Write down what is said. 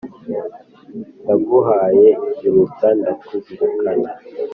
Ndaguhaye iruta ndakuzirikana.